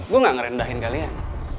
gua gak ngerendahin kalian